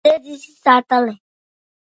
چي ژوندی دي سي ساتلای